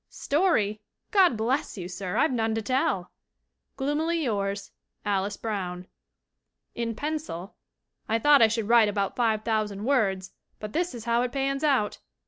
'Story? God bless you, sir, I've none to tell!' "Gloomily yours, "ALICE BROWN." [In pencil] "I thought I should write about five thousand words, but this is how it pans out!"